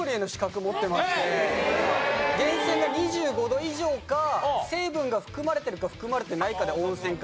源泉が２５度以上か成分が含まれてるか含まれてないかで温泉か。